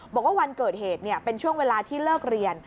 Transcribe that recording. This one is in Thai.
บอกว่าวันเกิดเหตุเป็นช่วงเวลาที่เลิกเรียน